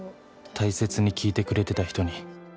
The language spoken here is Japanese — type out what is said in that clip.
「大切に聞いてくれてた人に」